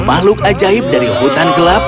makhluk ajaib dari hutan gelap